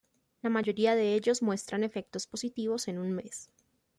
La mayoría de ellos muestran efectos positivos en un mes.